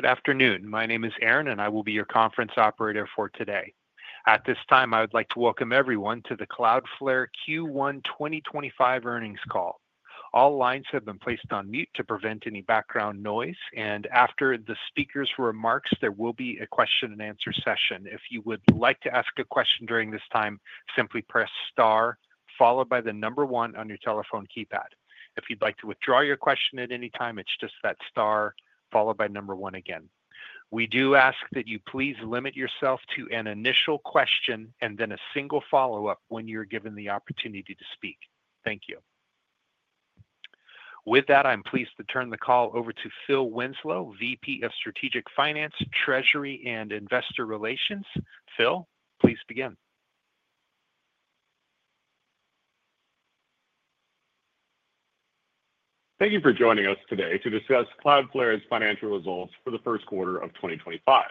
Good afternoon. My name is Aaron, and I will be your conference operator for today. At this time, I would like to welcome everyone to the Cloudflare Q1 2025 earnings call. All lines have been placed on mute to prevent any background noise, and after the speaker's remarks, there will be a question-and-answer session. If you would like to ask a question during this time, simply press star, followed by the number one on your telephone keypad. If you'd like to withdraw your question at any time, it's just that star, followed by number one again. We do ask that you please limit yourself to an initial question and then a single follow-up when you're given the opportunity to speak. Thank you. With that, I'm pleased to turn the call over to Phil Winslow, VP of Strategic Finance, Treasury and Investor Relations. Phil, please begin. Thank you for joining us today to discuss Cloudflare's financial results for the first quarter of 2025.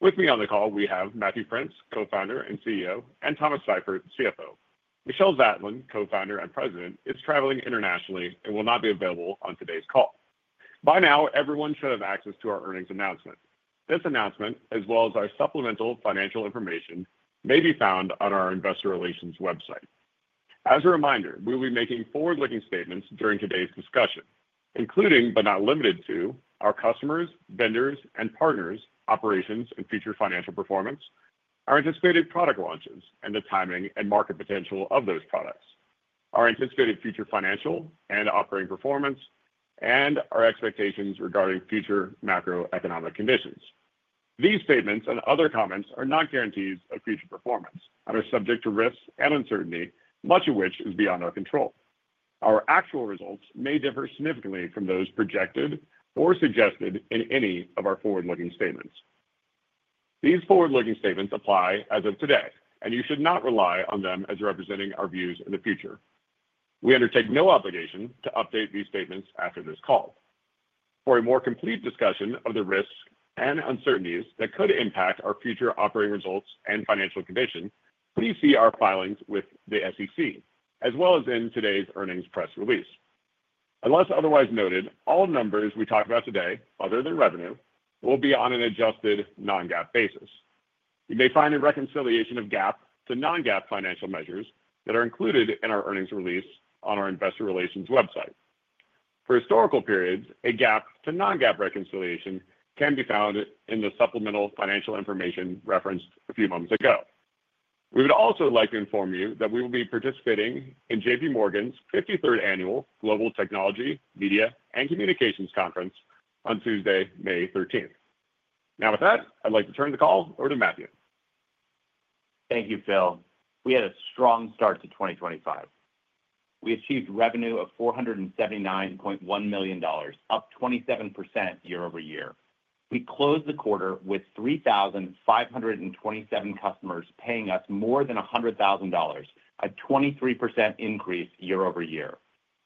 With me on the call, we have Matthew Prince, Co-founder and CEO, and Thomas Seifert, CFO. Michelle Zatlyn, Co-founder and President, is traveling internationally and will not be available on today's call. By now, everyone should have access to our earnings announcement. This announcement, as well as our supplemental financial information, may be found on our Investor Relations website. As a reminder, we will be making forward-looking statements during today's discussion, including, but not limited to, our customers, vendors, and partners, operations and future financial performance, our anticipated product launches, and the timing and market potential of those products, our anticipated future financial and operating performance, and our expectations regarding future macroeconomic conditions. These statements and other comments are not guarantees of future performance and are subject to risks and uncertainty, much of which is beyond our control. Our actual results may differ significantly from those projected or suggested in any of our forward-looking statements. These forward-looking statements apply as of today, and you should not rely on them as representing our views in the future. We undertake no obligation to update these statements after this call. For a more complete discussion of the risks and uncertainties that could impact our future operating results and financial condition, please see our filings with the SEC, as well as in today's earnings press release. Unless otherwise noted, all numbers we talk about today, other than revenue, will be on an adjusted Non-GAAP basis. You may find a reconciliation of GAAP to non-GAAP financial measures that are included in our earnings release on our Investor Relations website. For historical periods, a GAAP to non-GAAP reconciliation can be found in the supplemental financial information referenced a few moments ago. We would also like to inform you that we will be participating in JPMorgan's 53rd Annual Global Technology, Media, and Communications Conference on Tuesday, May 13th. Now, with that, I'd like to turn the call over to Matthew. Thank you, Phil. We had a strong start to 2025. We achieved revenue of $479.1 million, up 27% year over year. We closed the quarter with 3,527 customers paying us more than $100,000, a 23% increase year over year.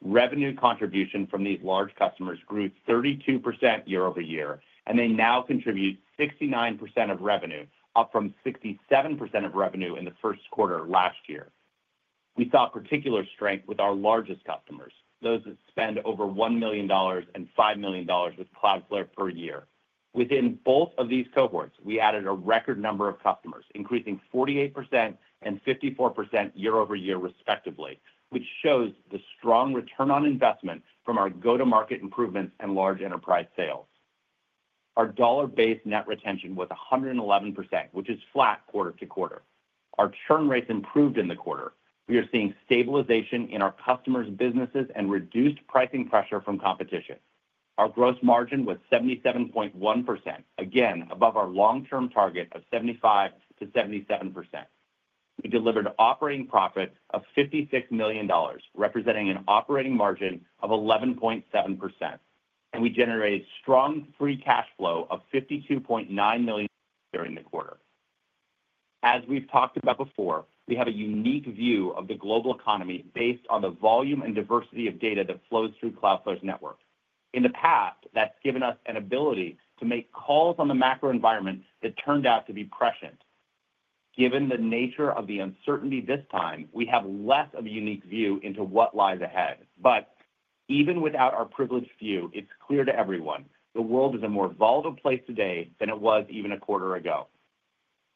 Revenue contribution from these large customers grew 32% year-over-year, and they now contribute 69% of revenue, up from 67% of revenue in the first quarter last year. We saw particular strength with our largest customers, those that spend over $1 million and $5 million with Cloudflare per year. Within both of these cohorts, we added a record number of customers, increasing 48% and 54% year over year, respectively, which shows the strong return on investment from our go-to-market improvements and large enterprise sales. Our dollar-based net retention was 111%, which is flat quarter to quarter. Our churn rates improved in the quarter. We are seeing stabilization in our customers' businesses and reduced pricing pressure from competition. Our gross margin was 77.1%, again above our long-term target of 75%-77%. We delivered operating profit of $56 million, representing an operating margin of 11.7%, and we generated strong free cash flow of $52.9 million during the quarter. As we've talked about before, we have a unique view of the global economy based on the volume and diversity of data that flows through Cloudflare's network. In the past, that's given us an ability to make calls on the macro environment that turned out to be prescient. Given the nature of the uncertainty this time, we have less of a unique view into what lies ahead. But even without our privileged view, it's clear to everyone the world is a more volatile place today than it was even a quarter ago.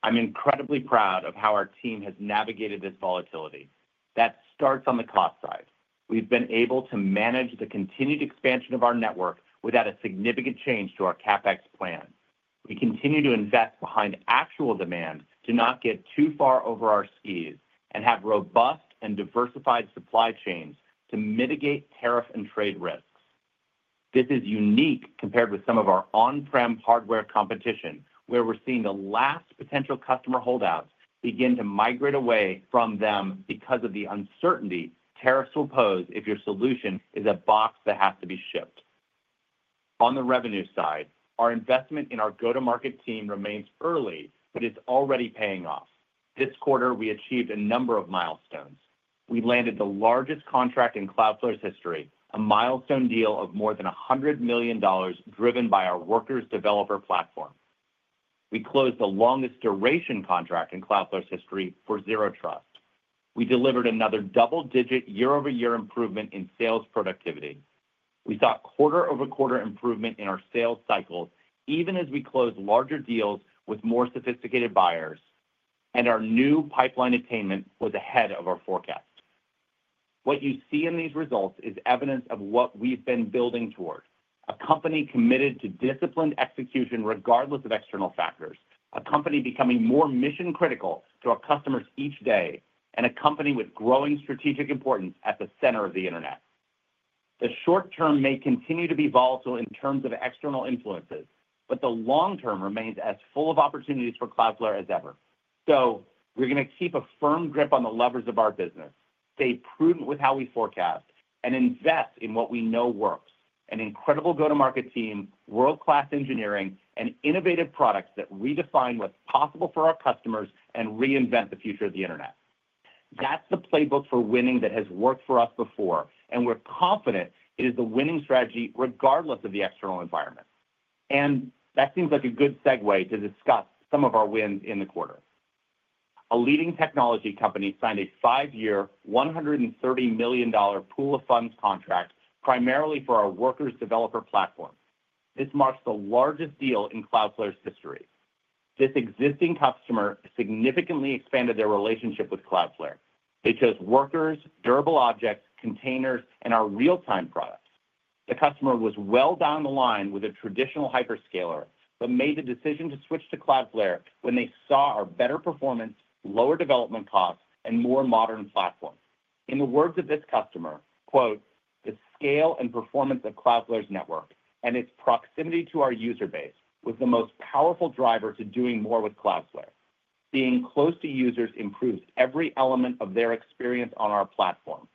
I'm incredibly proud of how our team has navigated this volatility. That starts on the cost side. We've been able to manage the continued expansion of our network without a significant change to our CapEx plan. We continue to invest behind actual demand to not get too far over our skis and have robust and diversified supply chains to mitigate tariff and trade risks. This is unique compared with some of our on-prem hardware competition, where we're seeing the last potential customer holdouts begin to migrate away from them because of the uncertainty tariffs will pose if your solution is a box that has to be shipped. On the revenue side, our investment in our go-to-market team remains early, but it's already paying off. This quarter, we achieved a number of milestones. We landed the largest contract in Cloudflare's history, a milestone deal of more than $100 million driven by our Workers developer platform. We closed the longest duration contract in Cloudflare's history for Zero Trust. We delivered another double-digit year-over-year improvement in sales productivity. We saw quarter-over-quarter improvement in our sales cycles, even as we closed larger deals with more sophisticated buyers, and our new pipeline attainment was ahead of our forecast. What you see in these results is evidence of what we've been building toward: a company committed to disciplined execution regardless of external factors, a company becoming more mission-critical to our customers each day, and a company with growing strategic importance at the center of the internet. The short term may continue to be volatile in terms of external influences, but the long term remains as full of opportunities for Cloudflare as ever. So we're going to keep a firm grip on the levers of our business, stay prudent with how we forecast, and invest in what we know works: an incredible go-to-market team, world-class engineering, and innovative products that redefine what's possible for our customers and reinvent the future of the internet. That's the playbook for winning that has worked for us before, and we're confident it is the winning strategy regardless of the external environment. And that seems like a good segue to discuss some of our wins in the quarter. A leading technology company signed a five-year, $130 million pool of funds contract primarily for our Workers developer platform. This marks the largest deal in Cloudflare's history. This existing customer significantly expanded their relationship with Cloudflare. They chose Workers, Durable Objects, containers, and our real-time products. The customer was well down the line with a traditional hyperscaler but made the decision to switch to Cloudflare when they saw our better performance, lower development costs, and more modern platform. In the words of this customer, "The scale and performance of Cloudflare's network and its proximity to our user base was the most powerful driver to doing more with Cloudflare. Being close to users improves every element of their experience on our platform."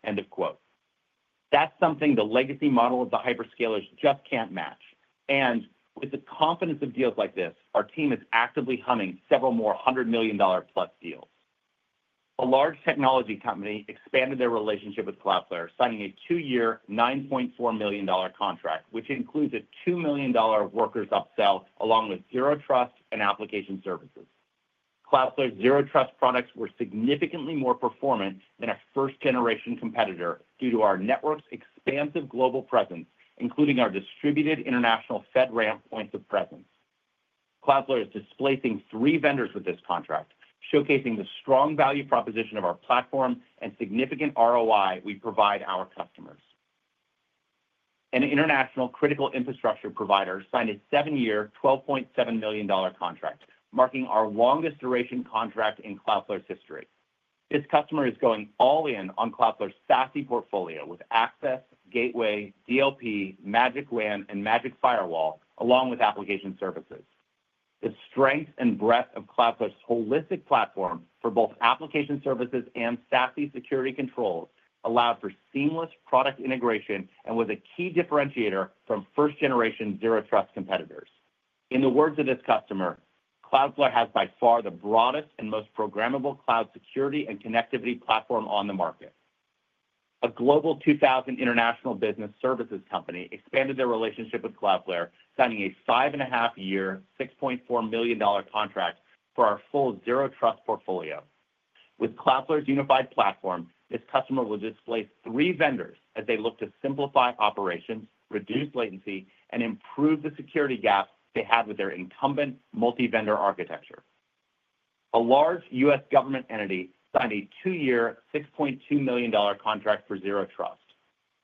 That's something the legacy model of the hyperscalers just can't match. And with the confidence of deals like this, our team is actively humming several more $100 million-plus deals. A large technology company expanded their relationship with Cloudflare, signing a two-year, $9.4 million contract, which includes a $2 million Workers upsell along with Zero Trust and application services. Cloudflare's Zero Trust products were significantly more performant than our first-generation competitor due to our network's expansive global presence, including our distributed international FedRAMP points of presence. Cloudflare is displacing three vendors with this contract, showcasing the strong value proposition of our platform and significant ROI we provide our customers. An international critical infrastructure provider signed a seven-year, $12.7 million contract, marking our longest duration contract in Cloudflare's history. This customer is going all in on Cloudflare's SASE portfolio with Access, Gateway, DLP, Magic WAN, and Magic Firewall, along with application services. The strength and breadth of Cloudflare's holistic platform for both application services and SASE security controls allowed for seamless product integration and was a key differentiator from first-generation Zero Trust competitors. In the words of this customer, "Cloudflare has by far the broadest and most programmable cloud security and connectivity platform on the market." A Global 2000 international business services company expanded their relationship with Cloudflare, signing a five-and-a-half-year, $6.4 million contract for our full Zero Trust portfolio. With Cloudflare's unified platform, this customer will displace three vendors as they look to simplify operations, reduce latency, and improve the security gap they had with their incumbent multi-vendor architecture. A large U.S. government entity signed a two-year, $6.2 million contract for Zero Trust.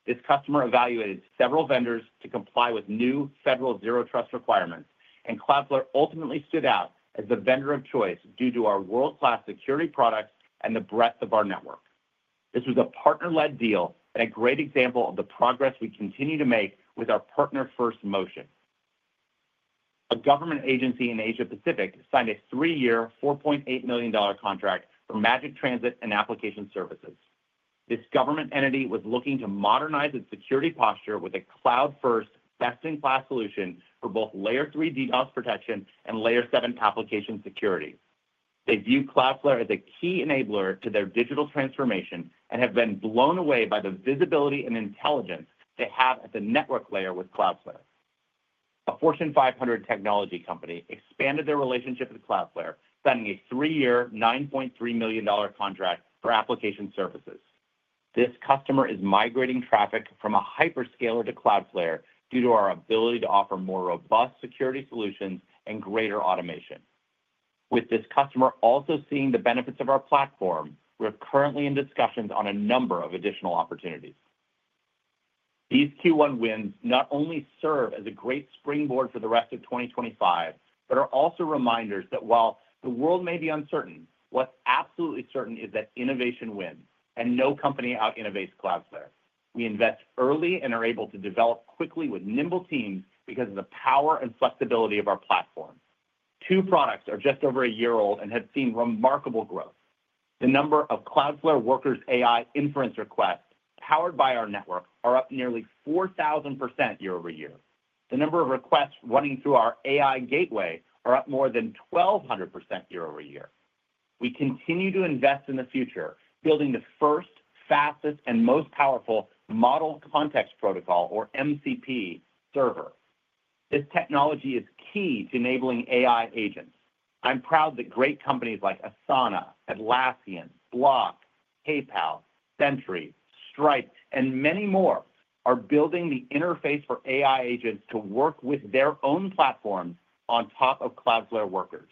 This customer evaluated several vendors to comply with new federal Zero Trust requirements, and Cloudflare ultimately stood out as the vendor of choice due to our world-class security products and the breadth of our network. This was a partner-led deal and a great example of the progress we continue to make with our partner-first motion. A government agency in Asia-Pacific signed a three-year, $4.8 million contract for Magic Transit and application services. This government entity was looking to modernize its security posture with a cloud-first, best-in-class solution for both Layer 3 DDoS protection and Layer 7 application security. They view Cloudflare as a key enabler to their digital transformation and have been blown away by the visibility and intelligence they have at the network layer with Cloudflare. A Fortune 500 technology company expanded their relationship with Cloudflare, signing a three-year, $9.3 million contract for application services. This customer is migrating traffic from a hyperscaler to Cloudflare due to our ability to offer more robust security solutions and greater automation. With this customer also seeing the benefits of our platform, we're currently in discussions on a number of additional opportunities. These Q1 wins not only serve as a great springboard for the rest of 2025, but are also reminders that while the world may be uncertain, what's absolutely certain is that innovation wins, and no company out-innovates Cloudflare. We invest early and are able to develop quickly with nimble teams because of the power and flexibility of our platform. Two products are just over a year old and have seen remarkable growth. The number of Cloudflare Workers AI inference requests powered by our network are up nearly 4,000% year over year. The number of requests running through our AI Gateway are up more than 1,200% year over year. We continue to invest in the future, building the first, fastest, and most powerful Model Context Protocol, or MCP, server. This technology is key to enabling AI agents. I'm proud that great companies like Asana, Atlassian, Block, PayPal, Sentry, Stripe, and many more are building the interface for AI agents to work with their own platforms on top of Cloudflare Workers.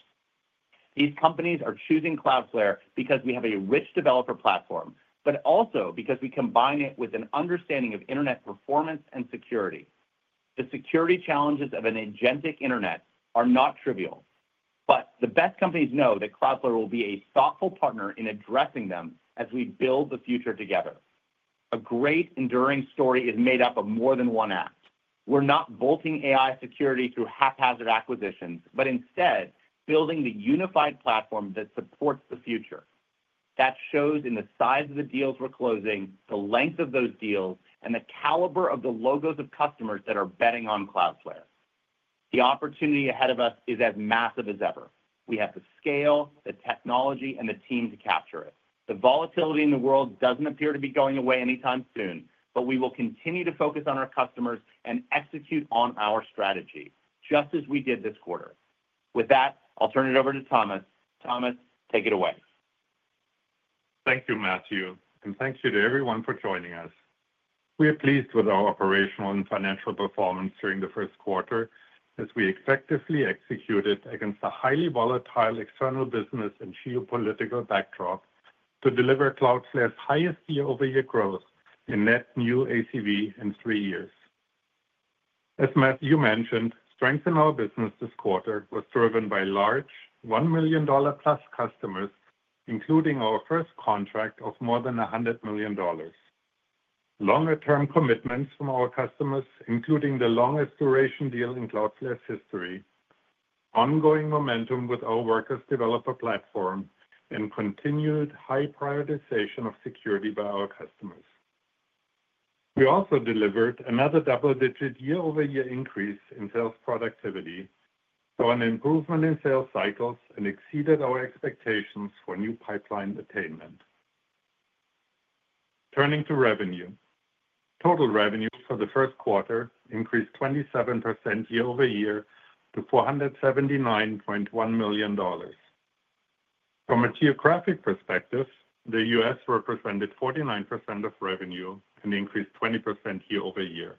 These companies are choosing Cloudflare because we have a rich developer platform, but also because we combine it with an understanding of internet performance and security. The security challenges of an agentic internet are not trivial, but the best companies know that Cloudflare will be a thoughtful partner in addressing them as we build the future together. A great enduring story is made up of more than one act. We're not bolting AI security through haphazard acquisitions, but instead building the unified platform that supports the future. That shows in the size of the deals we're closing, the length of those deals, and the caliber of the logos of customers that are betting on Cloudflare. The opportunity ahead of us is as massive as ever. We have the scale, the technology, and the team to capture it. The volatility in the world doesn't appear to be going away anytime soon, but we will continue to focus on our customers and execute on our strategy, just as we did this quarter. With that, I'll turn it over to Thomas. Thomas, take it away. Thank you, Matthew, and thank you to everyone for joining us. We are pleased with our operational and financial performance during the first quarter as we effectively executed against a highly volatile external business and geopolitical backdrop to deliver Cloudflare's highest year-over-year growth in net new ACV in three years. As Matthew mentioned, strength in our business this quarter was driven by large $1 million-plus customers, including our first contract of more than $100 million. Longer-term commitments from our customers, including the longest duration deal in Cloudflare's history, ongoing momentum with our Workers developer platform, and continued high prioritization of security by our customers. We also delivered another double-digit year-over-year increase in sales productivity, so an improvement in sales cycles and exceeded our expectations for new pipeline attainment. Turning to revenue, total revenue for the first quarter increased 27% year-over-year to $479.1 million. From a geographic perspective, the U.S. Represented 49% of revenue and increased 20% year-over-year.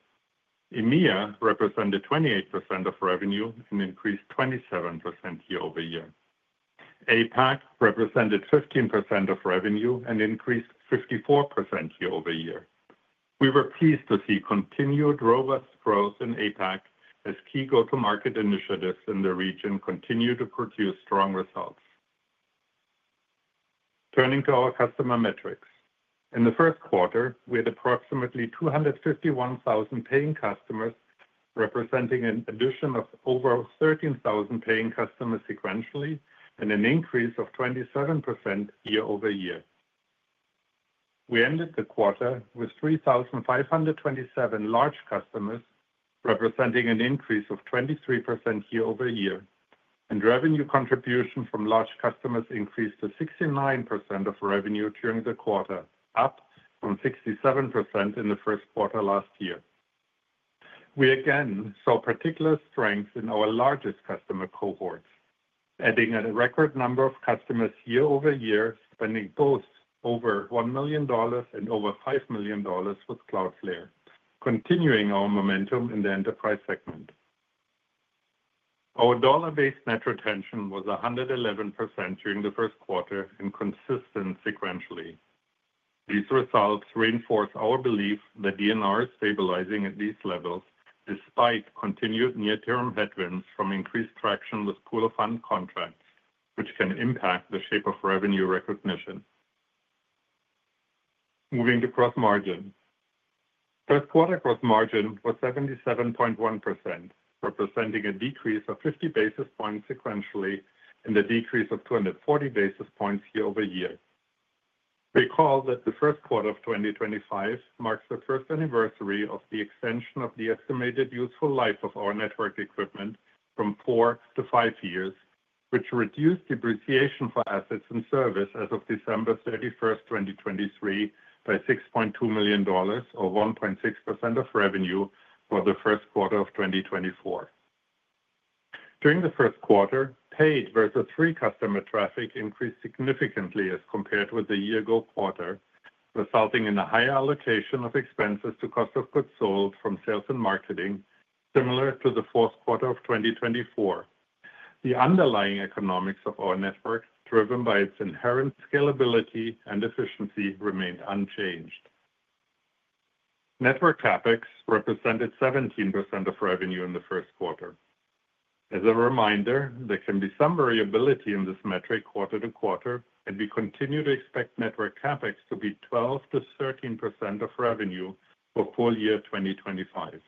EMEA represented 28% of revenue and increased 27% year-over-year. APAC represented 15% of revenue and increased 54% year-over-year. We were pleased to see continued robust growth in APAC as key go-to-market initiatives in the region continue to produce strong results. Turning to our customer metrics, in the first quarter, we had approximately 251,000 paying customers, representing an addition of over 13,000 paying customers sequentially and an increase of 27% year-over-year. We ended the quarter with 3,527 large customers, representing an increase of 23% year-over-year, and revenue contribution from large customers increased to 69% of revenue during the quarter, up from 67% in the first quarter last year. We again saw particular strength in our largest customer cohorts, adding a record number of customers year-over-year, spending both over $1 million and over $5 million with Cloudflare, continuing our momentum in the enterprise segment. Our dollar-based net retention was 111% during the first quarter and consistent sequentially. These results reinforce our belief that DNR is stabilizing at these levels despite continued near-term headwinds from increased traction with pool of funds contracts, which can impact the shape of revenue recognition. Moving to gross margin, first quarter gross margin was 77.1%, representing a decrease of 50 basis points sequentially and a decrease of 240 basis points year-over-year. Recall that the first quarter of 2025 marks the first anniversary of the extension of the estimated useful life of our network equipment from four to five years, which reduced depreciation for assets and service as of December 31, 2023, by $6.2 million, or 1.6% of revenue for the first quarter of 2024. During the first quarter, paid versus free customer traffic increased significantly as compared with the year-ago quarter, resulting in a higher allocation of expenses to cost of goods sold from sales and marketing, similar to the fourth quarter of 2024. The underlying economics of our network, driven by its inherent scalability and efficiency, remained unchanged. Network CapEx represented 17% of revenue in the first quarter. As a reminder, there can be some variability in this metric quarter to quarter, and we continue to expect network CapEx to be 12%-13% of revenue for full year 2025.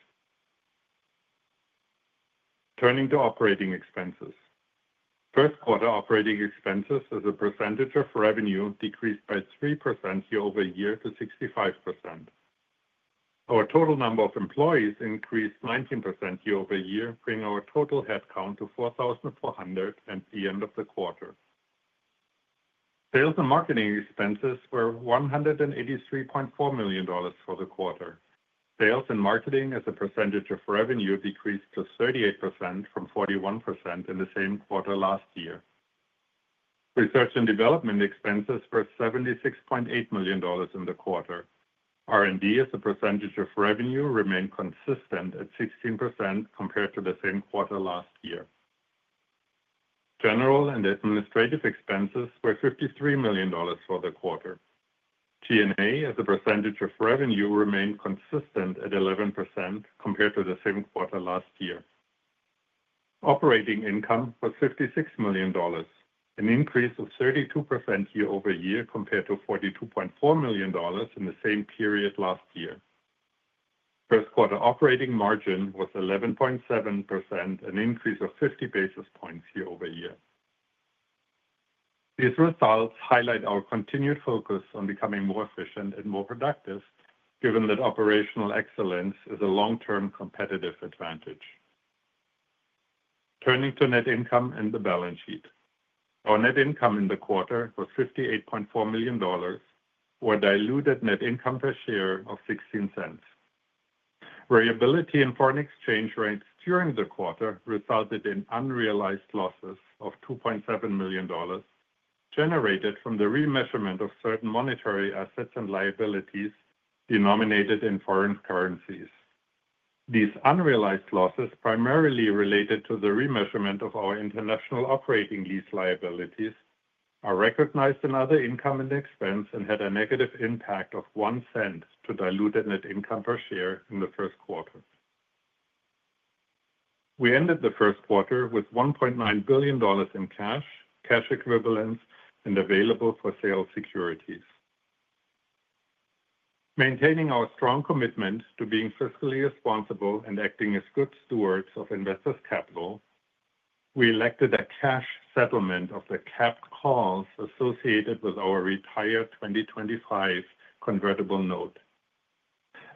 Turning to operating expenses, first quarter operating expenses as a percentage of revenue decreased by 3% year-over-year to 65%. Our total number of employees increased 19% year-over-year, bringing our total headcount to 4,400 at the end of the quarter. Sales and marketing expenses were $183.4 million for the quarter. Sales and marketing as a percentage of revenue decreased to 38% from 41% in the same quarter last year. Research and development expenses were $76.8 million in the quarter. R&D as a percentage of revenue remained consistent at 16% compared to the same quarter last year. General and administrative expenses were $53 million for the quarter. G&A as a percentage of revenue remained consistent at 11% compared to the same quarter last year. Operating income was $56 million, an increase of 32% year-over-year compared to $42.4 million in the same period last year. First quarter operating margin was 11.7%, an increase of 50 basis points year-over-year. These results highlight our continued focus on becoming more efficient and more productive, given that operational excellence is a long-term competitive advantage. Turning to net income and the balance sheet, our net income in the quarter was $58.4 million, or a diluted net income per share of 16 cents. Variability in foreign exchange rates during the quarter resulted in unrealized losses of $2.7 million generated from the remeasurement of certain monetary assets and liabilities denominated in foreign currencies. These unrealized losses primarily related to the remeasurement of our international operating lease liabilities, are recognized in other income and expense and had a negative impact of one cent to diluted net income per share in the first quarter. We ended the first quarter with $1.9 billion in cash, cash equivalents, and available-for-sale securities. Maintaining our strong commitment to being fiscally responsible and acting as good stewards of investors' capital, we elected a cash settlement of the capped calls associated with our retired 2025 convertible note.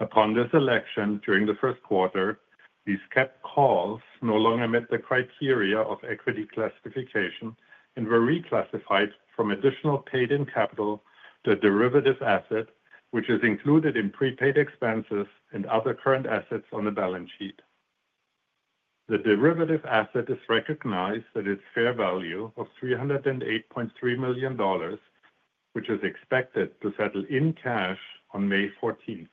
Upon this election during the first quarter, these capped calls no longer met the criteria of equity classification and were reclassified from additional paid-in capital to derivative asset, which is included in prepaid expenses and other current assets on the balance sheet. The derivative asset is recognized at its fair value of $308.3 million, which is expected to settle in cash on May 14.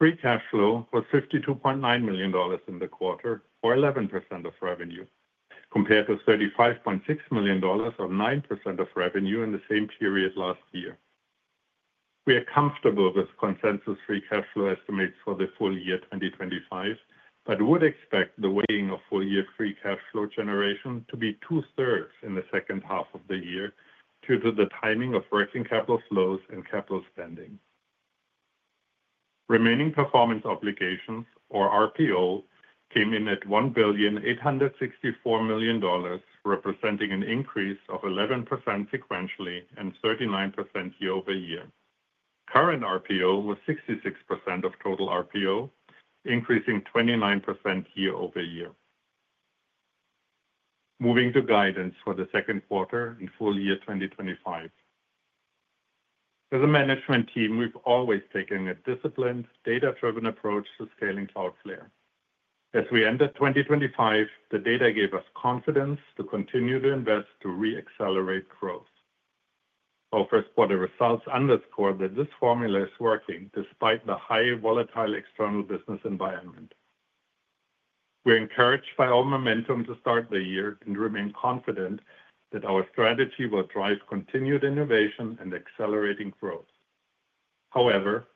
Free cash flow was $52.9 million in the quarter, or 11% of revenue, compared to $35.6 million or 9% of revenue in the same period last year. We are comfortable with consensus free cash flow estimates for the full year 2025, but would expect the weighting of full year free cash flow generation to be two-thirds in the second half of the year due to the timing of working capital flows and capital spending. Remaining performance obligations, or RPO, came in at $1,864 million, representing an increase of 11% sequentially and 39% year-over-year. Current RPO was 66% of total RPO, increasing 29% year-over-year. Moving to guidance for the second quarter and full year 2025. As a management team, we've always taken a disciplined, data-driven approach to scaling Cloudflare. As we entered 2025, the data gave us confidence to continue to invest to re-accelerate growth. Our first quarter results underscore that this formula is working despite the high volatile external business environment. We're encouraged by our momentum to start the year and remain confident that our strategy will drive continued innovation and accelerating growth. However,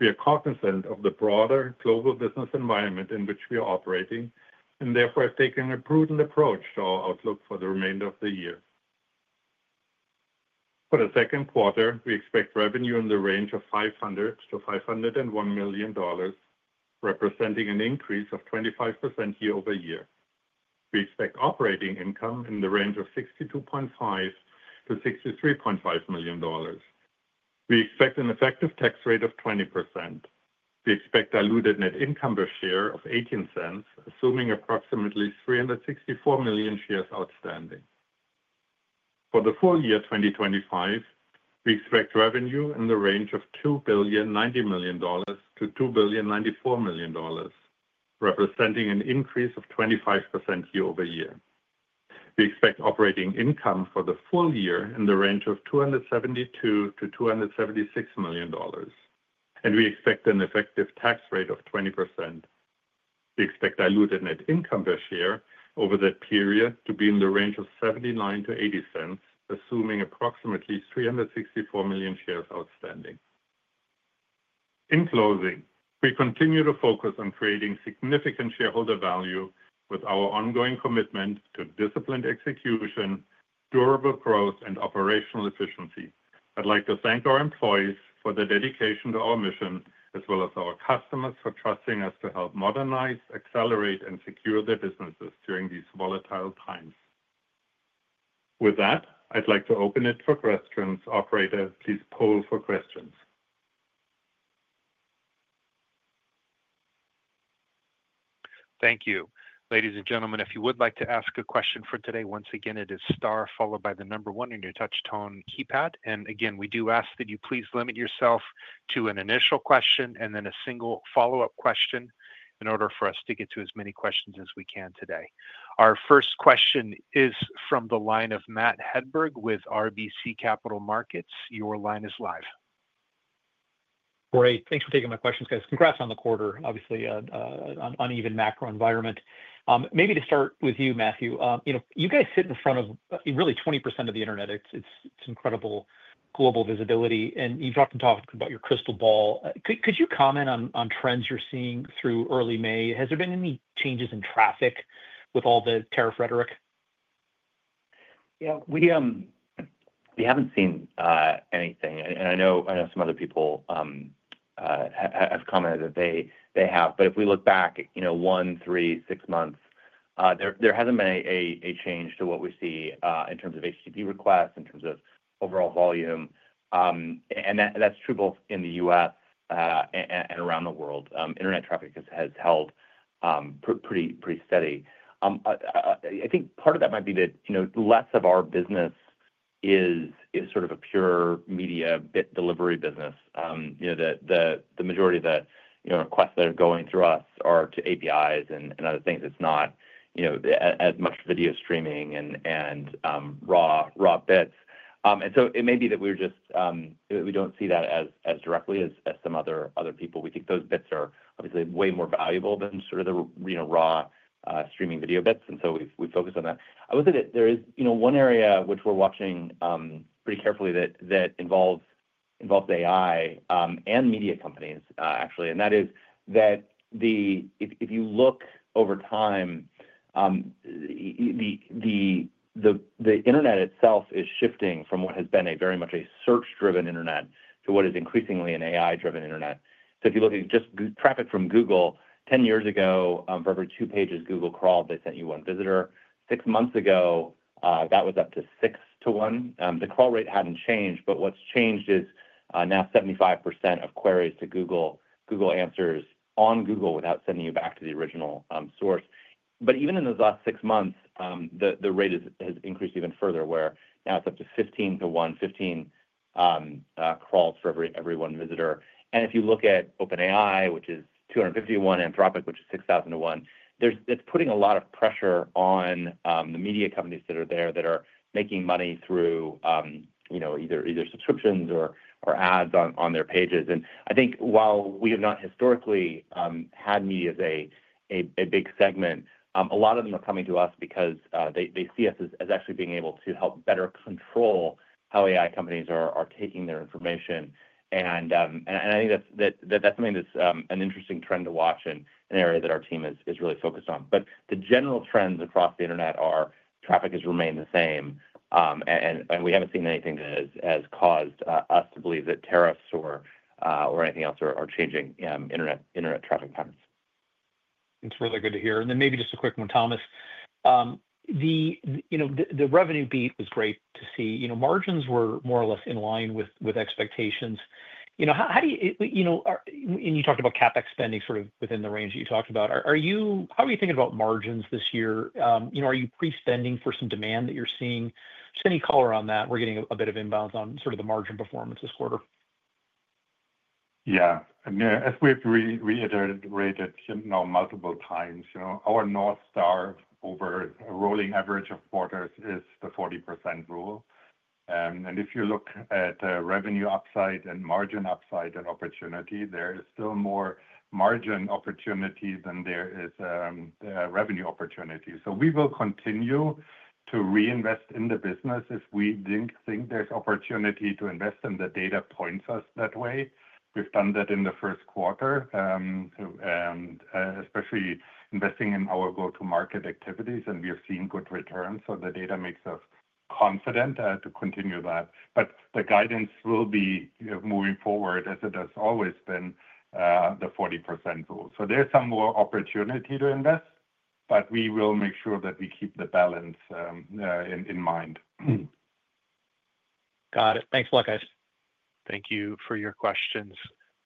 we are cognizant of the broader global business environment in which we are operating and therefore have taken a prudent approach to our outlook for the remainder of the year. For the second quarter, we expect revenue in the range of $500-$501 million, representing an increase of 25% year-over-year. We expect operating income in the range of $62.5-$63.5 million. We expect an effective tax rate of 20%. We expect diluted net income per share of $0.18, assuming approximately 364 million shares outstanding. For the full year 2025, we expect revenue in the range of $2,090-$2,094 million, representing an increase of 25% year-over-year. We expect operating income for the full year in the range of $272-$276 million, and we expect an effective tax rate of 20%. We expect diluted net income per share over that period to be in the range of $0.79-$0.80, assuming approximately 364 million shares outstanding. In closing, we continue to focus on creating significant shareholder value with our ongoing commitment to disciplined execution, durable growth, and operational efficiency. I'd like to thank our employees for their dedication to our mission, as well as our customers for trusting us to help modernize, accelerate, and secure their businesses during these volatile times. With that, I'd like to open it for questions. Operator, please poll for questions. Thank you. Ladies and gentlemen, if you would like to ask a question for today, once again, it is star followed by the number one in your touch-tone keypad. And again, we do ask that you please limit yourself to an initial question and then a single follow-up question in order for us to get to as many questions as we can today. Our first question is from the line of Matt Hedberg with RBC Capital Markets. Your line is live. Great. Thanks for taking my questions, guys. Congrats on the quarter, obviously an uneven macro environment. Maybe to start with you, Matthew, you guys sit in front of really 20% of the internet. It's incredible global visibility, and you've often talked about your crystal ball. Could you comment on trends you're seeing through early May? Has there been any changes in traffic with all the tariff rhetoric? Yeah, we haven't seen anything, and I know some other people have commented that they have, but if we look back one, three, six months, there hasn't been a change to what we see in terms of HTTP requests, in terms of overall volume, and that's true both in the U.S. and around the world. Internet traffic has held pretty steady. I think part of that might be that less of our business is sort of a pure media bit delivery business. The majority of the requests that are going through us are to APIs and other things. It's not as much video streaming and raw bits. And so it may be that we don't see that as directly as some other people. We think those bits are obviously way more valuable than sort of the raw streaming video bits. And so we focus on that. I would say that there is one area which we're watching pretty carefully that involves AI and media companies, actually. And that is that if you look over time, the internet itself is shifting from what has been very much a search-driven internet to what is increasingly an AI-driven internet. So if you look at just traffic from Google 10 years ago, for every two pages Google crawled, they sent you one visitor. Six months ago, that was up to six to one. The crawl rate hadn't changed, but what's changed is now 75% of queries to Google answers on Google without sending you back to the original source. But even in those last six months, the rate has increased even further, where now it's up to 15 to one, 15 crawls for every one visitor. And if you look at OpenAI, which is 251, Anthropic, which is 6,000 to one, that's putting a lot of pressure on the media companies that are there that are making money through either subscriptions or ads on their pages. And I think while we have not historically had media as a big segment, a lot of them are coming to us because they see us as actually being able to help better control how AI companies are taking their information. And I think that's something that's an interesting trend to watch in an area that our team is really focused on. But the general trends across the internet are traffic has remained the same, and we haven't seen anything that has caused us to believe that tariffs or anything else are changing internet traffic patterns. It's really good to hear. And then maybe just a quick one, Thomas. The revenue beat was great to see. Margins were more or less in line with expectations. How do you, and you talked about CapEx spending sort of within the range that you talked about. How are you thinking about margins this year? Are you pre-spending for some demand that you're seeing? Just any color on that? We're getting a bit of inbounds on sort of the margin performance this quarter. Yeah. As we've reiterated now multiple times, our North Star over a rolling average of quarters is the 40% rule, and if you look at revenue upside and margin upside and opportunity, there is still more margin opportunity than there is revenue opportunity, so we will continue to reinvest in the business if we think there's opportunity to invest in the data points us that way. We've done that in the first quarter, especially investing in our go-to-market activities, and we have seen good returns, so the data makes us confident to continue that, but the guidance will be moving forward, as it has always been, the 40% rule, so there's some more opportunity to invest, but we will make sure that we keep the balance in mind. Got it. Thanks a lot, guys. Thank you for your questions.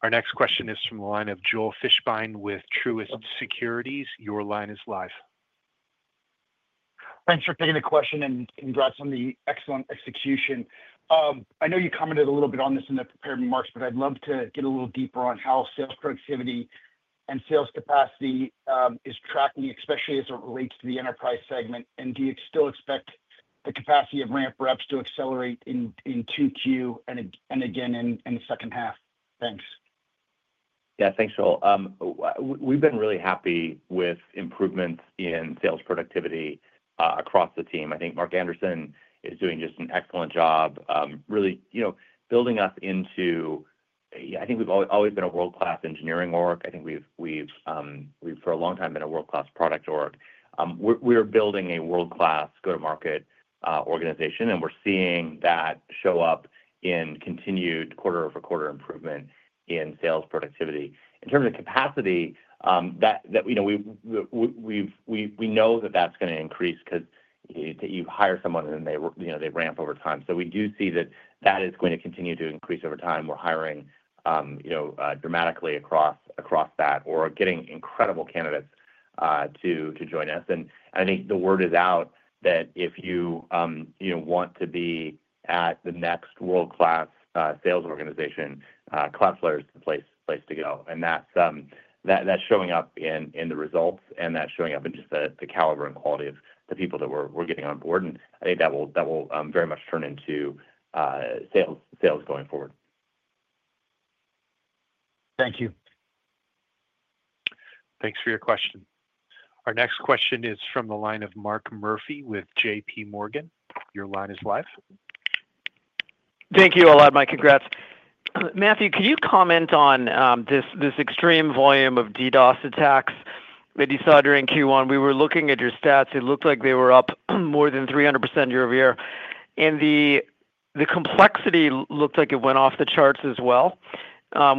Our next question is from the line of Joel Fishbein with Truist Securities. Your line is live. Thanks for taking the question and congrats on the excellent execution. I know you commented a little bit on this in the prepared remarks, but I'd love to get a little deeper on how sales productivity and sales capacity is tracking, especially as it relates to the enterprise segment, and do you still expect the capacity of ramp reps to accelerate in Q2 and again in the second half? Thanks. Yeah, thanks, Joel. We've been really happy with improvements in sales productivity across the team. I think Mark Anderson is doing just an excellent job, really building us into, I think we've always been a world-class engineering org. I think we've, for a long time, been a world-class product org. We're building a world-class go-to-market organization, and we're seeing that show up in continued quarter-over-quarter improvement in sales productivity. In terms of capacity, we know that that's going to increase because you hire someone, and they ramp over time. So we do see that that is going to continue to increase over time. We're hiring dramatically across that, or getting incredible candidates to join us. And I think the word is out that if you want to be at the next world-class sales organization, Cloudflare is the place to go. And that's showing up in the results, and that's showing up in just the caliber and quality of the people that we're getting on board. And I think that will very much turn into sales going forward. Thank you. Thanks for your question. Our next question is from the line of Mark Murphy with JPMorgan. Your line is live. Thank you a lot, Mike. Congrats. Matthew, could you comment on this extreme volume of DDoS attacks that you saw during Q1? We were looking at your stats. It looked like they were up more than 300% year-over-year. And the complexity looked like it went off the charts as well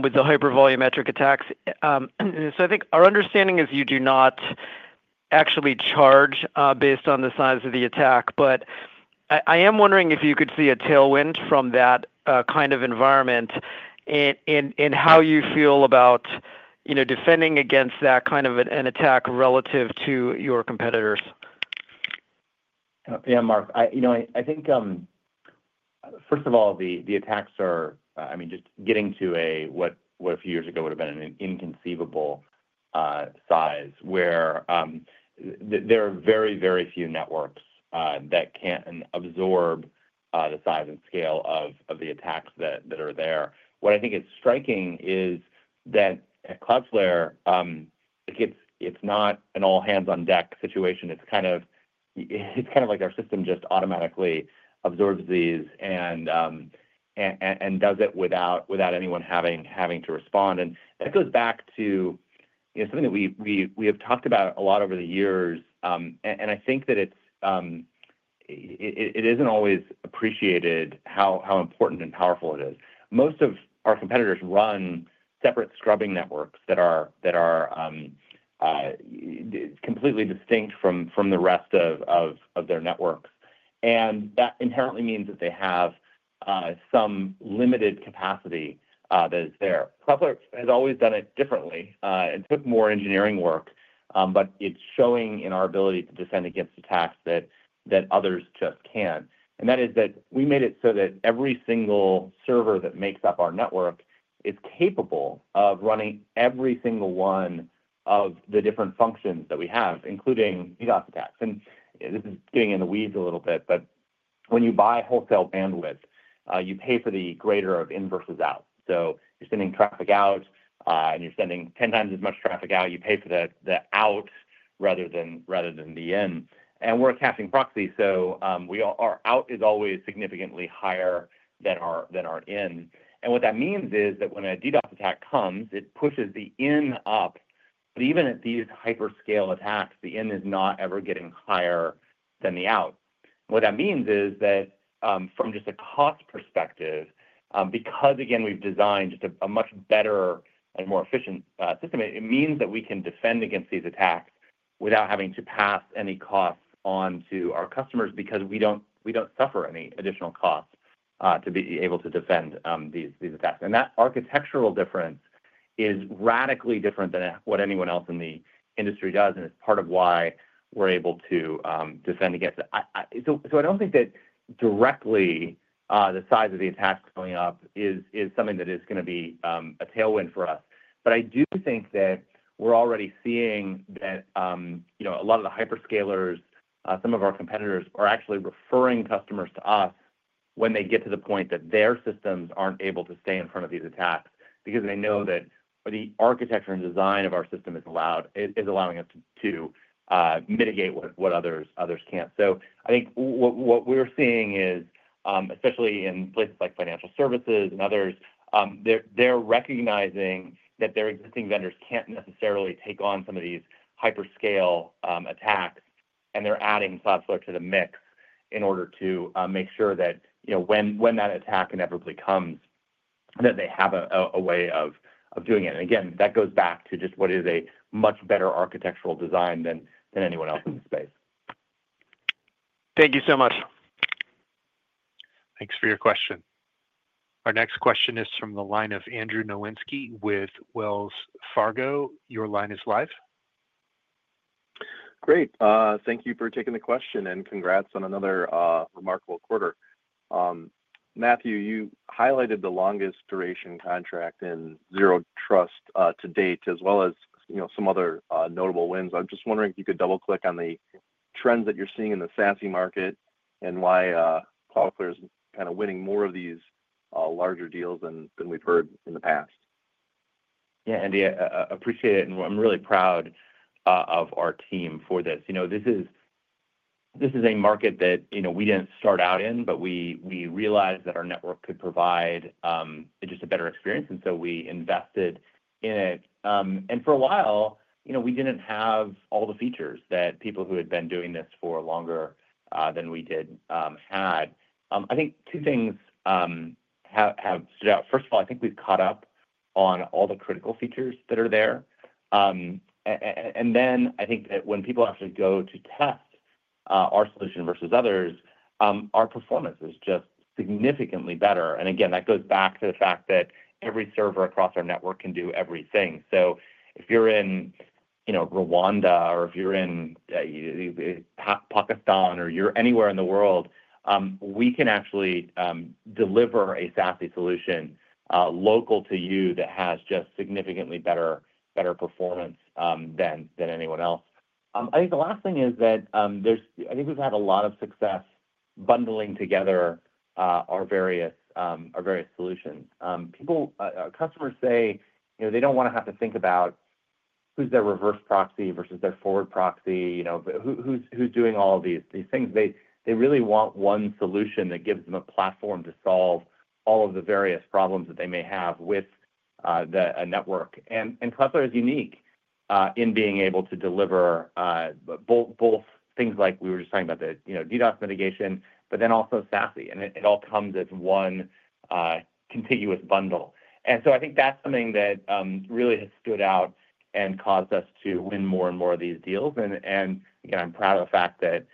with the hypervolumetric attacks. So I think our understanding is you do not actually charge based on the size of the attack. But I am wondering if you could see a tailwind from that kind of environment and how you feel about defending against that kind of an attack relative to your competitors. Yeah, Mark. I think, first of all, the attacks are, I mean, just getting to what a few years ago would have been an inconceivable size, where there are very, very few networks that can absorb the size and scale of the attacks that are there. What I think is striking is that at Cloudflare, it's not an all-hands-on-deck situation. It's kind of like our system just automatically absorbs these and does it without anyone having to respond. And that goes back to something that we have talked about a lot over the years. And I think that it isn't always appreciated how important and powerful it is. Most of our competitors run separate scrubbing networks that are completely distinct from the rest of their networks. And that inherently means that they have some limited capacity that is there. Cloudflare has always done it differently and took more engineering work, but it's showing in our ability to defend against attacks that others just can't. That is that we made it so that every single server that makes up our network is capable of running every single one of the different functions that we have, including DDoS attacks. This is getting in the weeds a little bit, but when you buy wholesale bandwidth, you pay for the greater of in versus out. So you're sending traffic out, and you're sending 10 times as much traffic out. You pay for the out rather than the in. We're a caching proxy, so our out is always significantly higher than our in. What that means is that when a DDoS attack comes, it pushes the in up. Even at these hyperscale attacks, the in is not ever getting higher than the out. What that means is that from just a cost perspective, because, again, we've designed just a much better and more efficient system, it means that we can defend against these attacks without having to pass any costs on to our customers because we don't suffer any additional costs to be able to defend these attacks. And that architectural difference is radically different than what anyone else in the industry does, and it's part of why we're able to defend against it. So I don't think that directly the size of the attacks going up is something that is going to be a tailwind for us. But I do think that we're already seeing that a lot of the hyperscalers, some of our competitors, are actually referring customers to us when they get to the point that their systems aren't able to stay in front of these attacks because they know that the architecture and design of our system is allowing us to mitigate what others can't. So I think what we're seeing is, especially in places like financial services and others, they're recognizing that their existing vendors can't necessarily take on some of these hyperscale attacks, and they're adding Cloudflare to the mix in order to make sure that when that attack inevitably comes, that they have a way of doing it. And again, that goes back to just what is a much better architectural design than anyone else in the space. Thank you so much. Thanks for your question. Our next question is from the line of Andrew Nowinski with Wells Fargo. Your line is live. Great. Thank you for taking the question, and congrats on another remarkable quarter. Matthew, you highlighted the longest duration contract in Zero Trust to date, as well as some other notable wins. I'm just wondering if you could double-click on the trends that you're seeing in the SASE market and why Cloudflare is kind of winning more of these larger deals than we've heard in the past. Yeah, Andy, I appreciate it. And I'm really proud of our team for this. This is a market that we didn't start out in, but we realized that our network could provide just a better experience, and so we invested in it. And for a while, we didn't have all the features that people who had been doing this for longer than we did had. I think two things have stood out. First of all, I think we've caught up on all the critical features that are there. And then I think that when people actually go to test our solution versus others, our performance is just significantly better. And again, that goes back to the fact that every server across our network can do everything. So if you're in Rwanda, or if you're in Pakistan, or you're anywhere in the world, we can actually deliver a SASE solution local to you that has just significantly better performance than anyone else. I think the last thing is that I think we've had a lot of success bundling together our various solutions. Customers say they don't want to have to think about who's their reverse proxy versus their forward proxy, who's doing all of these things. They really want one solution that gives them a platform to solve all of the various problems that they may have with a network. And Cloudflare is unique in being able to deliver both things like we were just talking about, the DDoS mitigation, but then also SASE. And it all comes as one contiguous bundle. And so I think that's something that really has stood out and caused us to win more and more of these deals. And again, I'm proud of the fact that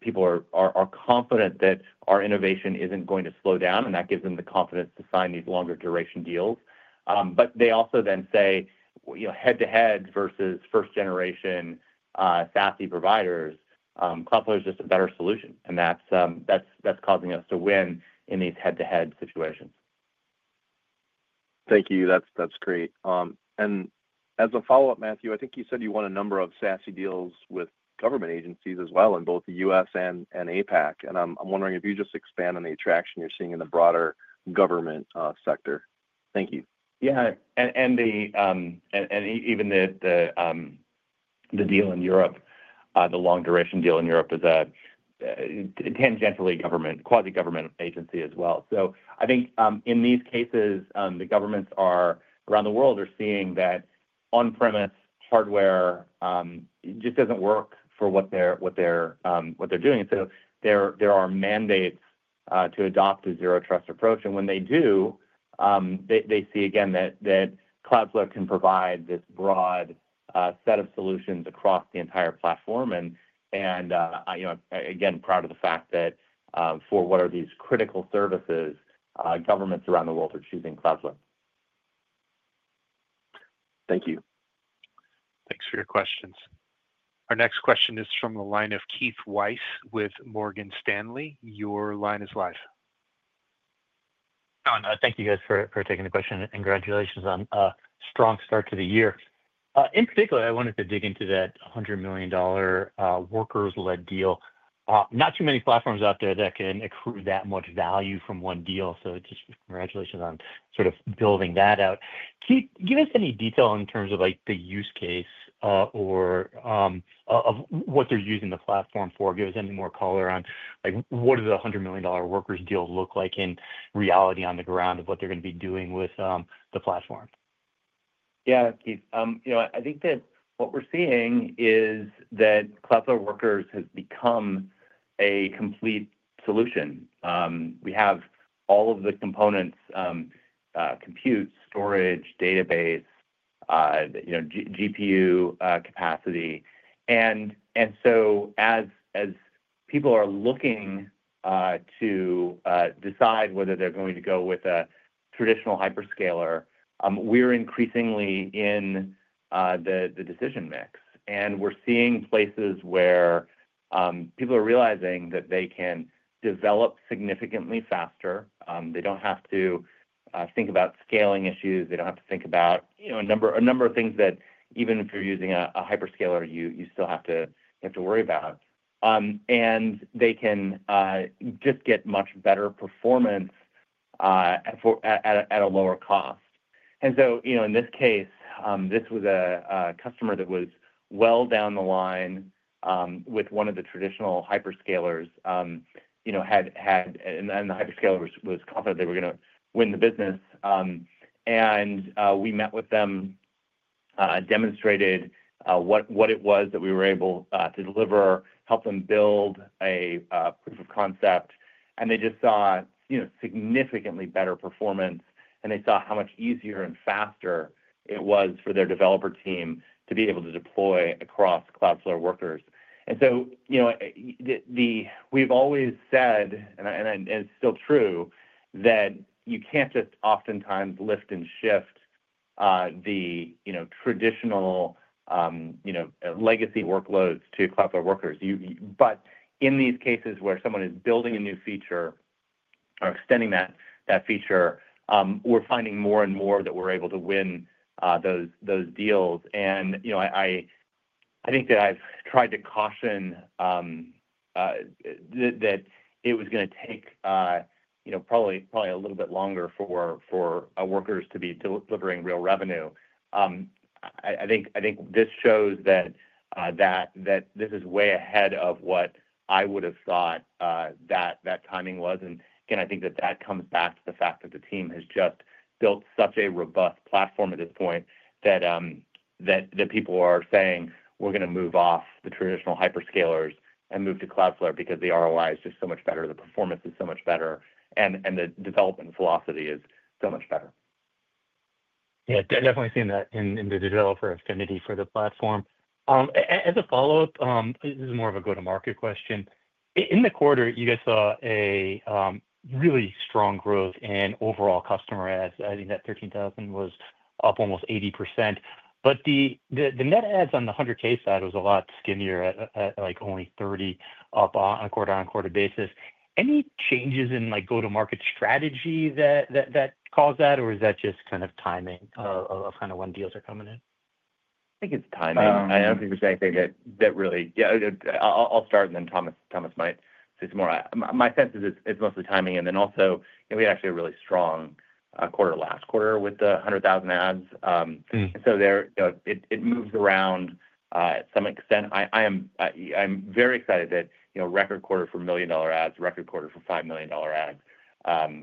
people are confident that our innovation isn't going to slow down, and that gives them the confidence to sign these longer duration deals. But they also then say, head-to-head versus first-generation SASE providers, Cloudflare is just a better solution. And that's causing us to win in these head-to-head situations. Thank you. That's great. And as a follow-up, Matthew, I think you said you won a number of SASE deals with government agencies as well in both the U.S. and APAC. And I'm wondering if you just expand on the attraction you're seeing in the broader government sector. Thank you. Yeah. And even the deal in Europe, the long-duration deal in Europe, is a tangentially quasi-government agency as well. So I think in these cases, the governments around the world are seeing that on-premise hardware just doesn't work for what they're doing. And so there are mandates to adopt a Zero Trust approach. And when they do, they see, again, that Cloudflare can provide this broad set of solutions across the entire platform. And again, proud of the fact that for what are these critical services, governments around the world are choosing Cloudflare. Thank you. Thanks for your questions. Our next question is from the line of Keith Weiss with Morgan Stanley. Your line is live. Thank you, guys, for taking the question. Congratulations on a strong start to the year. In particular, I wanted to dig into that $100 million Workers-led deal. Not too many platforms out there that can accrue that much value from one deal. So just congratulations on sort of building that out. Keith, give us any detail in terms of the use case or of what they're using the platform for. Give us any more color on what the $100 million Workers deal looks like in reality on the ground of what they're going to be doing with the platform. Yeah, Keith. I think that what we're seeing is that Cloudflare Workers has become a complete solution. We have all of the components: compute, storage, database, GPU capacity. And so as people are looking to decide whether they're going to go with a traditional hyperscaler, we're increasingly in the decision mix. And we're seeing places where people are realizing that they can develop significantly faster. They don't have to think about scaling issues. They don't have to think about a number of things that even if you're using a hyperscaler, you still have to worry about. And they can just get much better performance at a lower cost. And so in this case, this was a customer that was well down the line with one of the traditional hyperscalers, and the hyperscaler was confident they were going to win the business. And we met with them, demonstrated what it was that we were able to deliver, helped them build a proof of concept. And they just saw significantly better performance, and they saw how much easier and faster it was for their developer team to be able to deploy across Cloudflare Workers. And so we've always said, and it's still true, that you can't just oftentimes lift and shift the traditional legacy workloads to Cloudflare Workers. But in these cases where someone is building a new feature or extending that feature, we're finding more and more that we're able to win those deals. And I think that I've tried to caution that it was going to take probably a little bit longer for Workers to be delivering real revenue. I think this shows that this is way ahead of what I would have thought that timing was. Again, I think that that comes back to the fact that the team has just built such a robust platform at this point that people are saying, "We're going to move off the traditional hyperscalers and move to Cloudflare because the ROI is just so much better. The performance is so much better, and the development velocity is so much better." Yeah, definitely seeing that in the developer affinity for the platform. As a follow-up, this is more of a go-to-market question. In the quarter, you guys saw a really strong growth in overall customer adds. I think that 13,000 was up almost 80%. But the net adds on the 100K side was a lot skinnier, at only 30 on a quarter-on-quarter basis. Any changes in go-to-market strategy that caused that, or is that just kind of timing of kind of when deals are coming in? I think it's timing. I don't think there's anything that really. Yeah, I'll start, and then Thomas might say some more. My sense is it's mostly timing, and then also, we had actually a really strong quarter last quarter with the $100,000 ACVs. And so it moves around to some extent. I'm very excited that record quarter for million-dollar ACVs, record quarter for $5 million ACVs.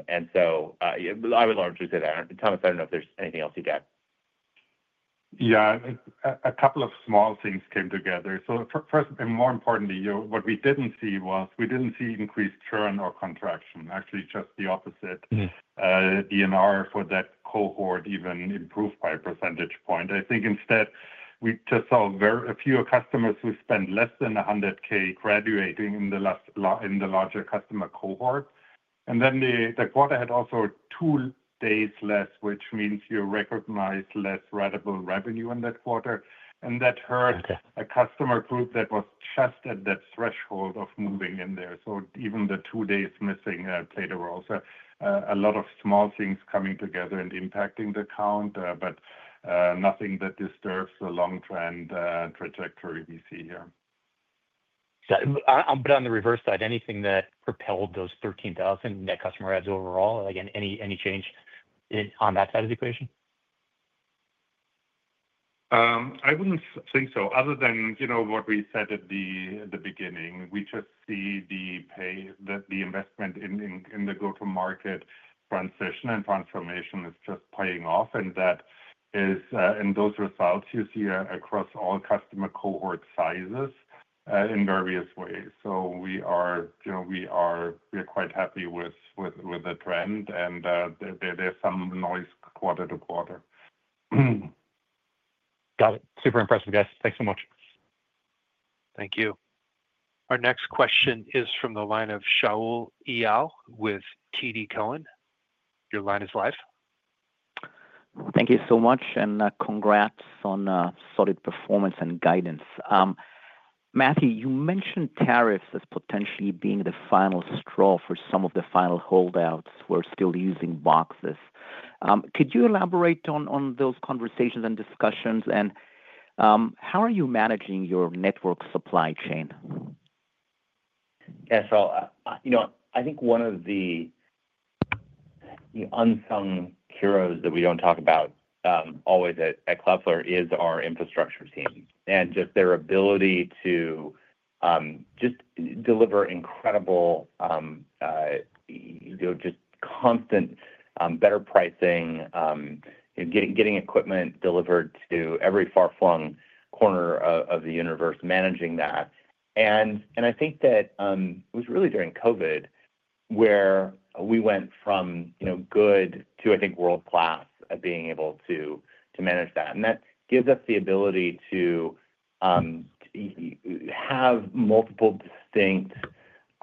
And so I would largely say that. Thomas, I don't know if there's anything else you'd add. Yeah, a couple of small things came together. So first, and more importantly, what we didn't see was we didn't see increased churn or contraction. Actually, just the opposite. DNR for that cohort even improved by a percentage point. I think instead, we just saw a few customers who spent less than $100K graduating in the larger customer cohort. Then the quarter had also two days less, which means you recognize less recognizable revenue in that quarter. And that hurt a customer group that was just at that threshold of moving in there. So even the two days missing played a role. So a lot of small things coming together and impacting the count, but nothing that disturbs the long-term trajectory we see here. But on the reverse side, anything that propelled those 13,000 net customer adds overall? Again, any change on that side of the equation? I wouldn't think so, other than what we said at the beginning. We just see the investment in the go-to-market transition and transformation is just paying off. And in those results, you see across all customer cohort sizes in various ways. So we are quite happy with the trend, and there's some noise quarter to quarter. Got it. Super impressive, guys. Thanks so much. Thank you. Our next question is from the line of Shaul Eyal with TD Cowen. Your line is live. Thank you so much, and congrats on solid performance and guidance. Matthew, you mentioned tariffs as potentially being the final straw for some of the final holdouts who are still using boxes. Could you elaborate on those conversations and discussions, and how are you managing your network supply chain? Yeah, so I think one of the unsung heroes that we don't talk about always at Cloudflare is our infrastructure team and just their ability to just deliver incredible, just constant better pricing, getting equipment delivered to every far-flung corner of the universe, managing that. And I think that it was really during COVID where we went from good to, I think, world-class at being able to manage that. That gives us the ability to have multiple distinct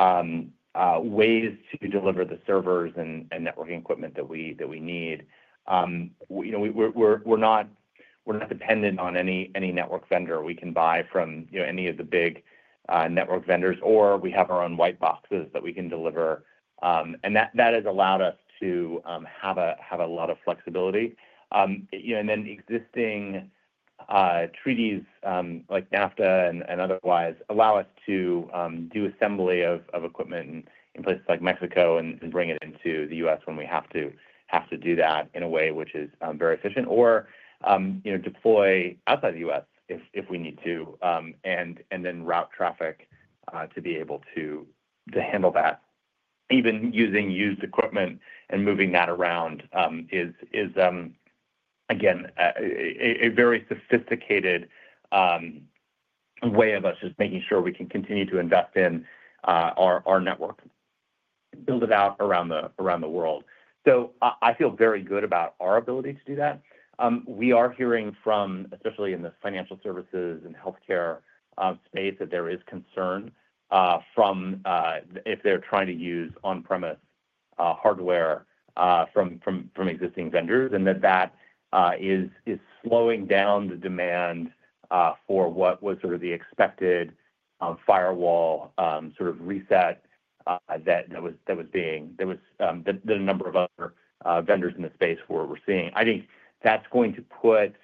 ways to deliver the servers and networking equipment that we need. We're not dependent on any network vendor. We can buy from any of the big network vendors, or we have our own white boxes that we can deliver. That has allowed us to have a lot of flexibility. Existing treaties like NAFTA and otherwise allow us to do assembly of equipment in places like Mexico and bring it into the U.S. when we have to do that in a way which is very efficient, or deploy outside the U.S. if we need to, and then route traffic to be able to handle that. Even using used equipment and moving that around is, again, a very sophisticated way of us just making sure we can continue to invest in our network, build it out around the world. So I feel very good about our ability to do that. We are hearing from, especially in the financial services and healthcare space, that there is concern if they're trying to use on-premises hardware from existing vendors and that that is slowing down the demand for what was sort of the expected firewall sort of reset. There was a number of other vendors in the space we're seeing. I think that's going to put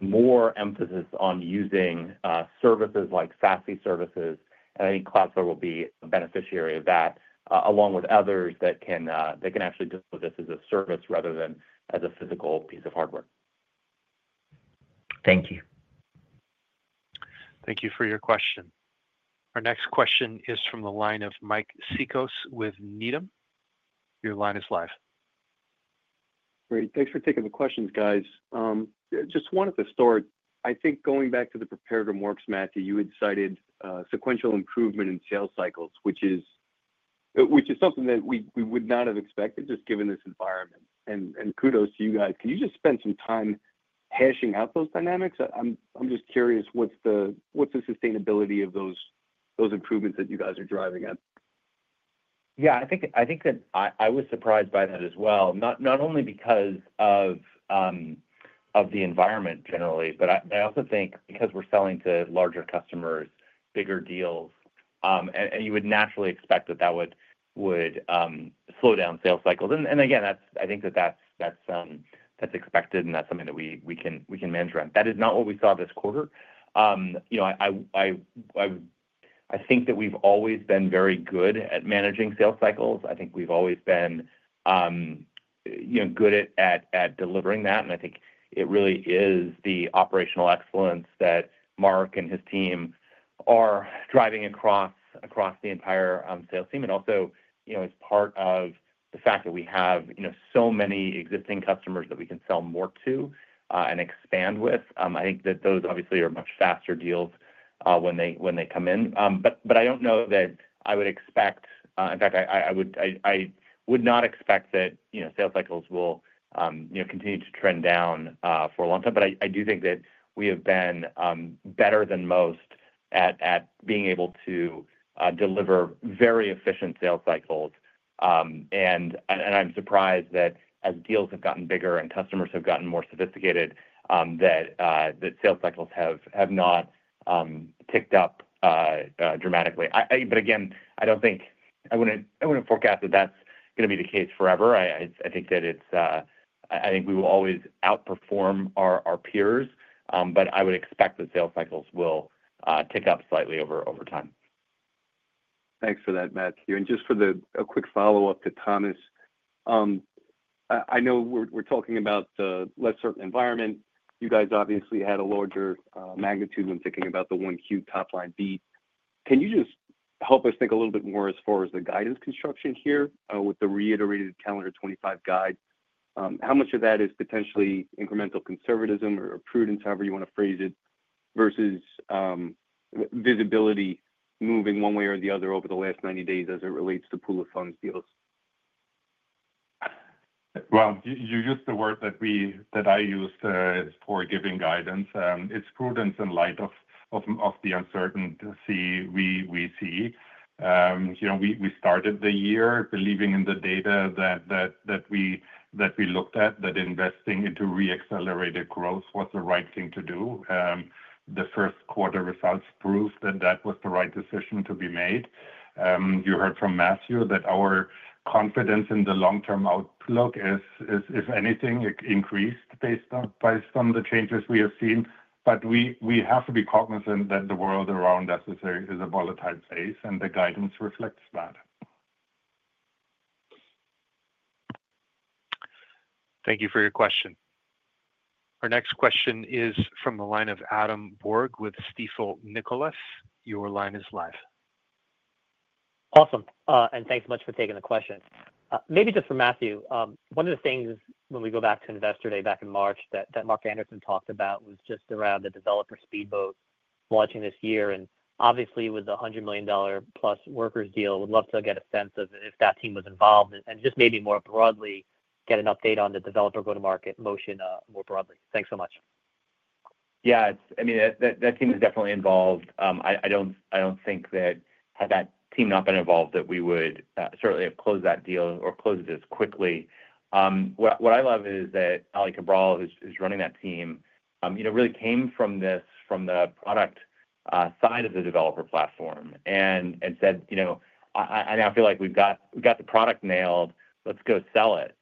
more emphasis on using services like SASE services. And I think Cloudflare will be a beneficiary of that, along with others that can actually deliver this as a service rather than as a physical piece of hardware. Thank you. Thank you for your question. Our next question is from the line of Mike Cikos with Needham. Your line is live. Great. Thanks for taking the questions, guys. Just wanted to start. I think going back to the prepared remarks, Matthew, you had cited sequential improvement in sales cycles, which is something that we would not have expected just given this environment. And kudos to you guys. Can you just spend some time hashing out those dynamics? I'm just curious what's the sustainability of those improvements that you guys are driving at. Yeah, I think that I was surprised by that as well, not only because of the environment generally, but I also think because we're selling to larger customers, bigger deals, and you would naturally expect that that would slow down sales cycles. And again, I think that that's expected, and that's something that we can manage around. That is not what we saw this quarter. I think that we've always been very good at managing sales cycles. I think we've always been good at delivering that. I think it really is the operational excellence that Mark and his team are driving across the entire sales team. Also, as part of the fact that we have so many existing customers that we can sell more to and expand with, I think that those obviously are much faster deals when they come in. But I don't know that I would expect, in fact, I would not expect that sales cycles will continue to trend down for a long time. But I do think that we have been better than most at being able to deliver very efficient sales cycles. I'm surprised that as deals have gotten bigger and customers have gotten more sophisticated, that sales cycles have not ticked up dramatically. But again, I don't think, I wouldn't forecast that that's going to be the case forever. I think we will always outperform our peers, but I would expect that sales cycles will tick up slightly over time. Thanks for that, Matthew. And just for a quick follow-up to Thomas, I know we're talking about the less certain environment. You guys obviously had a larger magnitude when thinking about the macro top-line beat. Can you just help us think a little bit more as far as the guidance construction here with the reiterated calendar 2025 guide? How much of that is potentially incremental conservatism or prudence, however you want to phrase it, versus visibility moving one way or the other over the last 90 days as it relates to pool of funds deals? Well, you used the word that I used for giving guidance. It's prudence in light of the uncertainty we see. We started the year believing in the data that we looked at, that investing into reaccelerated growth was the right thing to do. The first quarter results proved that that was the right decision to be made. You heard from Matthew that our confidence in the long-term outlook is, if anything, increased based on the changes we have seen, but we have to be cognizant that the world around us is a volatile space, and the guidance reflects that. Thank you for your question. Our next question is from the line of Adam Borg with Stifel Nicolaus. Your line is live. Awesome, and thanks much for taking the question. Maybe just for Matthew, one of the things when we go back to Investor Day back in March that Mark Anderson talked about was just around the Developer Speedboat launching this year. And obviously, with the $100 million-plus Workers deal, we'd love to get a sense of if that team was involved and just maybe more broadly get an update on the developer go-to-market motion more broadly. Thanks so much. Yeah, I mean, that team is definitely involved. I don't think that had that team not been involved, that we would certainly have closed that deal or closed it as quickly. What I love is that Ally Cabral, who's running that team, really came from the product side of the developer platform and said, "I now feel like we've got the product nailed. Let's go sell it."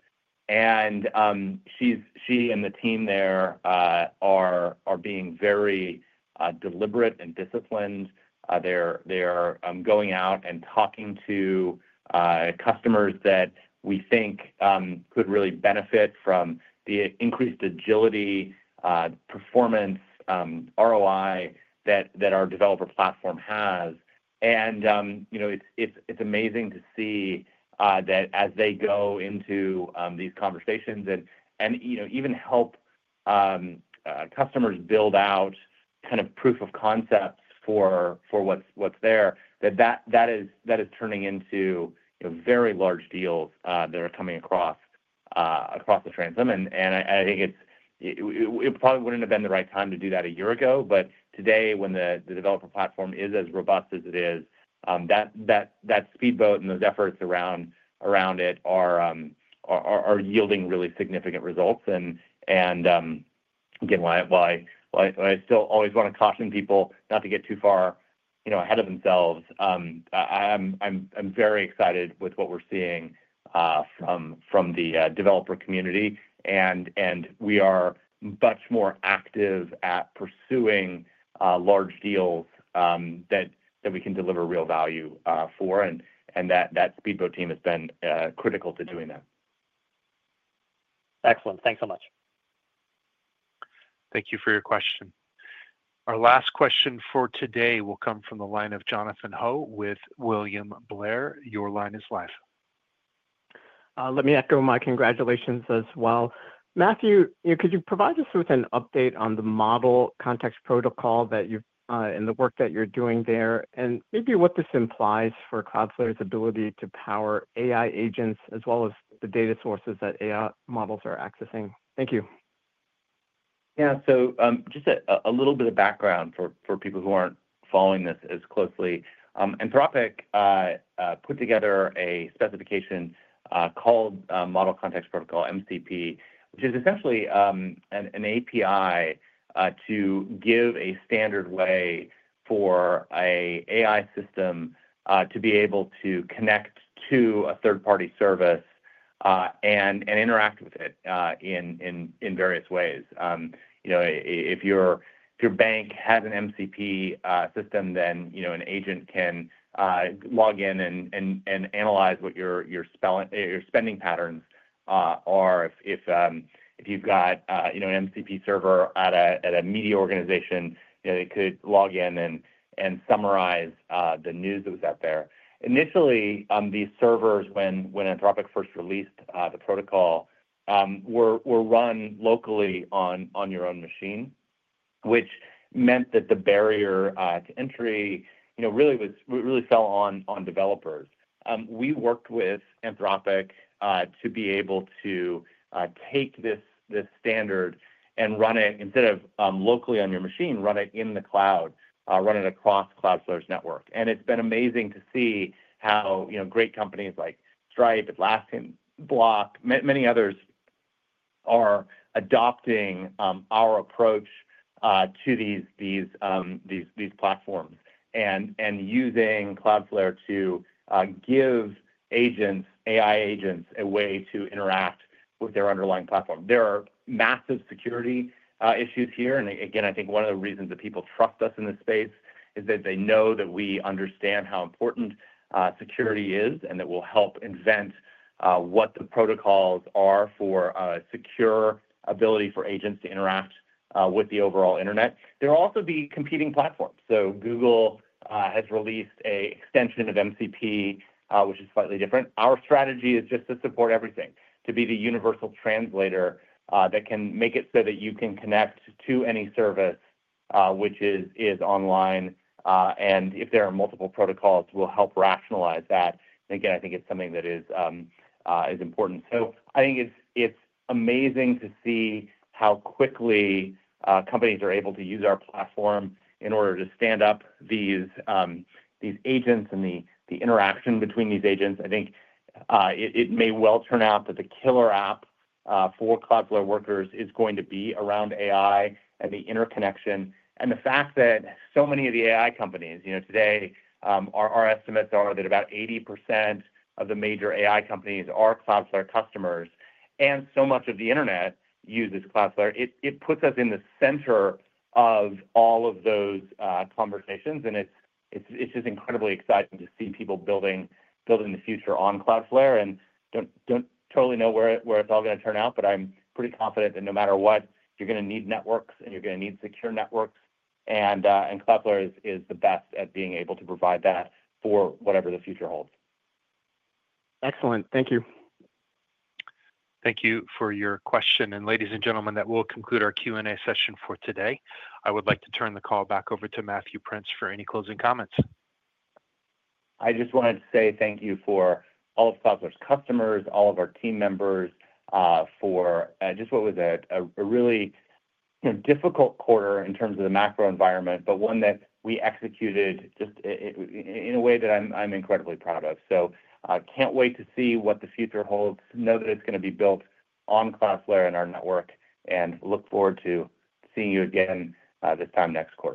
And she and the team there are being very deliberate and disciplined. They're going out and talking to customers that we think could really benefit from the increased agility, performance, ROI that our developer platform has. And it's amazing to see that as they go into these conversations and even help customers build out kind of proof of concepts for what's there, that that is turning into very large deals that are coming across the transom. And I think it probably wouldn't have been the right time to do that a year ago. But today, when the developer platform is as robust as it is, that Speedboat and those efforts around it are yielding really significant results. And again, while I still always want to caution people not to get too far ahead of themselves, I'm very excited with what we're seeing from the developer community. And we are much more active at pursuing large deals that we can deliver real value for, and that Speedboat team has been critical to doing that. Excellent. Thanks so much. Thank you for your question. Our last question for today will come from the line of Jonathan Ho with William Blair. Your line is live. Let me echo my congratulations as well. Matthew, could you provide us with an update on the Model Context Protocol and the work that you're doing there and maybe what this implies for Cloudflare's ability to power AI agents as well as the data sources that AI models are accessing? Thank you. Yeah, so just a little bit of background for people who aren't following this as closely. Anthropic put together a specification called Model Context Protocol, MCP, which is essentially an API to give a standard way for an AI system to be able to connect to a third-party service and interact with it in various ways. If your bank has an MCP system, then an agent can log in and analyze what your spending patterns are. If you've got an MCP server at a media organization, they could log in and summarize the news that was out there. Initially, these servers, when Anthropic first released the protocol, were run locally on your own machine, which meant that the barrier to entry really fell on developers. We worked with Anthropic to be able to take this standard and run it instead of locally on your own machine, run it in the cloud, run it across Cloudflare's network. And it's been amazing to see how great companies like Stripe, Atlassian, Block, many others are adopting our approach to these platforms and using Cloudflare to give AI agents a way to interact with their underlying platform. There are massive security issues here. Again, I think one of the reasons that people trust us in this space is that they know that we understand how important security is and that we'll help invent what the protocols are for a secure ability for agents to interact with the overall internet. There will also be competing platforms. Google has released an extension of MCP, which is slightly different. Our strategy is just to support everything, to be the universal translator that can make it so that you can connect to any service which is online. If there are multiple protocols, we'll help rationalize that. Again, I think it's something that is important. I think it's amazing to see how quickly companies are able to use our platform in order to stand up these agents and the interaction between these agents. I think it may well turn out that the killer app for Cloudflare Workers is going to be around AI and the interconnection. And the fact that so many of the AI companies today, our estimates are that about 80% of the major AI companies are Cloudflare customers, and so much of the internet uses Cloudflare, it puts us in the center of all of those conversations. And it's just incredibly exciting to see people building the future on Cloudflare. And I don't totally know where it's all going to turn out, but I'm pretty confident that no matter what, you're going to need networks, and you're going to need secure networks. And Cloudflare is the best at being able to provide that for whatever the future holds. Excellent. Thank you. Thank you for your question. And ladies and gentlemen, that will conclude our Q&A session for today. I would like to turn the call back over to Matthew Prince for any closing comments. I just wanted to say thank you for all of Cloudflare's customers, all of our team members for just what was a really difficult quarter in terms of the macro environment, but one that we executed just in a way that I'm incredibly proud of. So I can't wait to see what the future holds. Know that it's going to be built on Cloudflare and our network, and look forward to seeing you again this time next quarter.